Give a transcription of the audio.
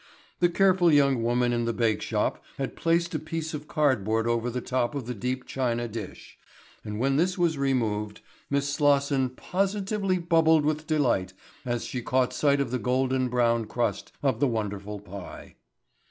The careful young woman in the bake shop had placed a piece of cardboard over the top of the deep china dish, and when this was removed Miss Slosson positively bubbled with delight as she caught sight of the golden brown crust of the wonderful pie.